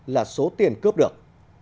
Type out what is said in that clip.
là số tiền cướp được